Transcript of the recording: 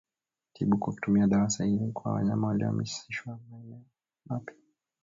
Tibu kwa kutumia dawa sahihi kwa wanyama waliohamishiwa maeneo mapya